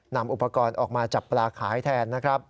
นำอุปกรณ์ออกมาจับปลาขายแทนนะครับ